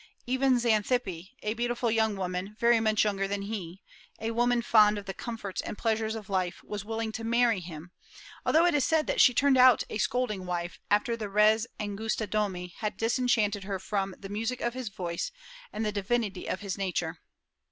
Even Xanthippe, a beautiful young woman, very much younger than he, a woman fond of the comforts and pleasures of life, was willing to marry him, although it is said that she turned out a "scolding wife" after the res angusta domi had disenchanted her from the music of his voice and the divinity of his nature.